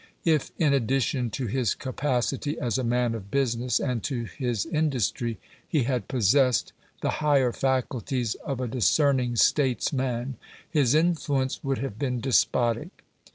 If, in addition to his capacity as a man of business and to his industry, he had possessed the higher faculties of a discerning states man, his influence would have been despotic.